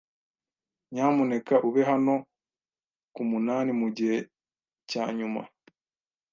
Nyamuneka ube hano kumunani mugihe cyanyuma.